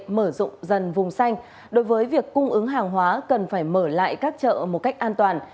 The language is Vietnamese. mở rộng dần vùng xanh đối với việc cung ứng hàng hóa cần phải mở lại các chợ một cách an toàn